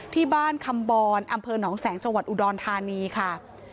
ที่บ้านคำบรอำเภอหนองแสงจังหวัดอุดรธานีค่ะ